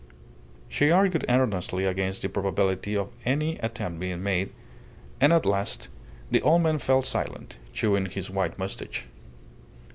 She argued earnestly against the probability of any attempt being made; and at last the old man fell silent, chewing his white moustache.